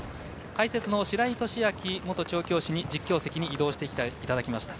解説の白井寿昭元調教師に実況席に移動してきていただきました。